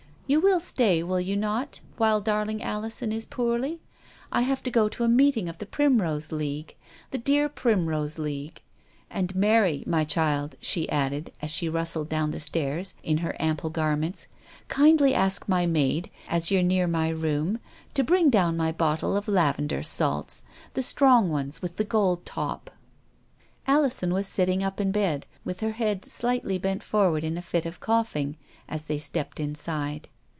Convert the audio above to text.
You will stay, will you not, while darling Alison is poorly ? I have to go to a meeting of the Primrose League — the dear Primrose League. And ALISON ARRANGES A MATCH. 255 Mary, my child," she added, as she rustled down the stairs in her ample garments, "kindly ask my maid, as you're near my room, to bring down my bottle of lavender salts ; the strong ones with the gold top." Alison was sitting up in bed, with her head slightly bent forward in a fit of coughing, as they stepped inside.